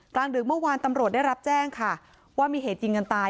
กลางดึกเมื่อวานตำรวจได้รับแจ้งค่ะว่ามีเหตุยิงกันตาย